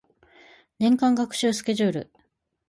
年間学習スケジュール